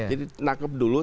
jadi nangkep dulu